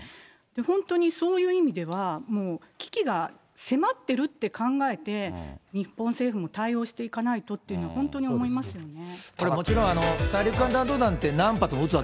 本当にそういう意味では、もう危機が迫っているって考えて、日本政府も対応していかないとと本当に思いますよね。